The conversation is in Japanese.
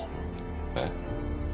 えっ？